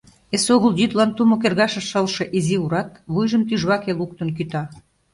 Эсогыл йӱдлан тумо кӧргашыш шылше изи урат вуйжым тӱжваке луктын кӱта.